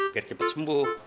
biar cepet sembuh